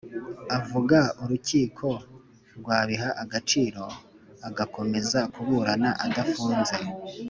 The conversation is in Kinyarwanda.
avuga urukiko rwabiha agaciro, agakomeza kuburana adafunze